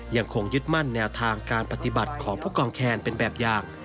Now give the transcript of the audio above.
ยังคงยึดมั่นแนวทางการปฏิบัติของผู้กองแคนเป็นแบบอย่าง